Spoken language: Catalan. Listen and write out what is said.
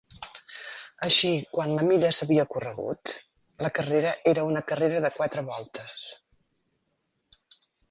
Així quan la milla s'havia corregut, la carrera era una carrera de quatre voltes.